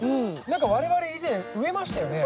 なんか我々以前植えましたよね？